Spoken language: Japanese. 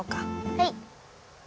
はい！